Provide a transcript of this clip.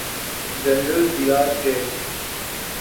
General Zia تھے۔